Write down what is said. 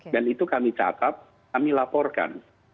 dan itu kami catat kami laporkan